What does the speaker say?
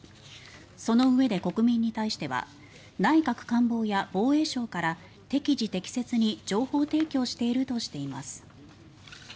そのうえで、国民に対しては内閣官房や防衛省から適時適切に情報提供しているとしています。